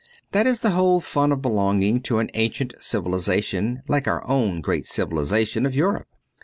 That is the whole fun of belonging to an ancient civilization like our own great civilization of Europe.